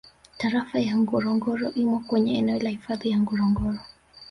Tarafa ya Ngorongoro imo kwenye eneo la Hifadhi ya Ngorongoro